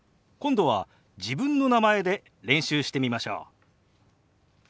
今度は自分の名前で練習してみましょう。